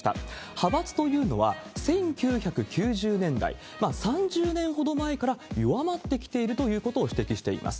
派閥というのは、１９９０年代、３０年ほど前から弱まってきているということを指摘しています。